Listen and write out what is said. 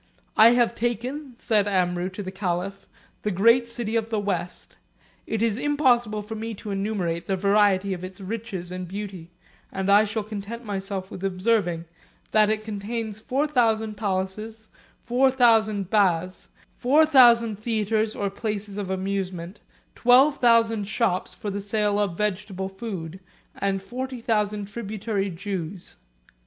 "I have taken," said Amrou to the caliph, "the great city of the West. It is impossible for me to enumerate the variety of its riches and beauty; and I shall content myself with observing, that it contains four thousand palaces, four thousand baths, four hundred theatres or places of amusement, twelve thousand shops for the sale of vegetable food, and forty thousand tributary Jews.